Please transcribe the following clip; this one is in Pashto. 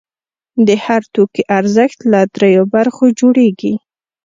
د هر توکي ارزښت له درېیو برخو جوړېږي